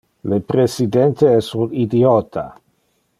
Le presidente es un idiota.